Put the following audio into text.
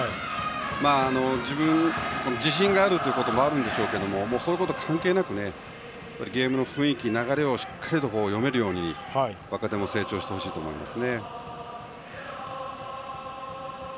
自分に自信があるということもあるんでしょうけどそういうこと関係なくゲームの雰囲気、流れをしっかりと読めるように若手も成長してほしいと思います。